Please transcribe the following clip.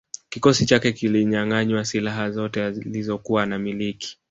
Kikosi chake kilianyanganywa silaha zote alizokuwa anamiliki